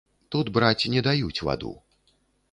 Тут браць не даюць ваду.